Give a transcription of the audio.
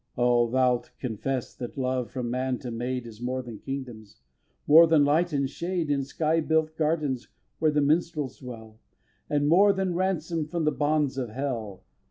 viii. Oh, thou'lt confess that love from man to maid Is more than kingdoms, more than light and shade In sky built gardens where the minstrels dwell, And more than ransom from the bonds of Hell.